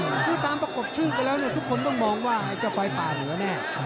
คือตามประกบชื่อไปแล้วเนี่ยทุกคนต้องมองว่าไอ้เจ้าไฟป่าเหนือแน่